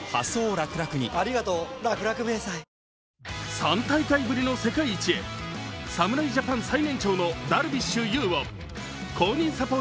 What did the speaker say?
３大会ぶりの世界一へ侍ジャパン最年長のダルビッシュ有を公認サポート